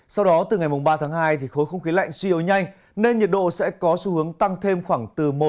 sau đó từ ngày ba tháng hai khối không khí lạnh suy yếu nhanh nên nhiệt độ sẽ có xu hướng tăng thêm khoảng từ một